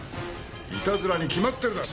いたずらに決まってるだろう。